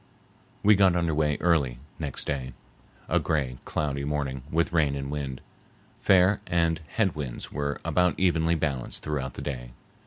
We got under way early next day,—a gray, cloudy morning with rain and wind. Fair and head winds were about evenly balanced throughout the day.